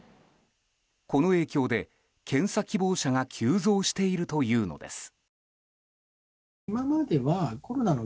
この影響で検査希望者が急増しているというのです。